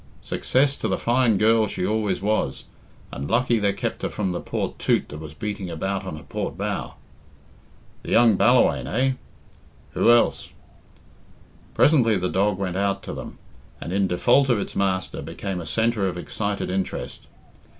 "Success to the fine girl she always was, and lucky they kept her from the poor toot that was beating about on her port bow." "The young Ballawhaine, eh?" "Who else?" Presently the dog went out to them, and, in default of its master, became a centre of excited interest.